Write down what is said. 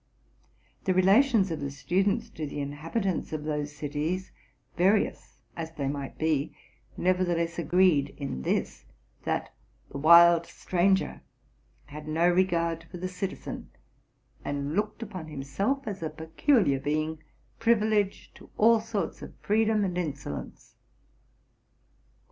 'The relations of the students to the inhabitants of those cities, various as they might be, nevertheless agreed in this, that the wild stranger had no regard for the citizen, and looked upon himself as a peculiar being, privileged to all sorts of freedom and insolence.